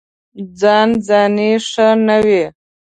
ځان ځاني ښه نه وي.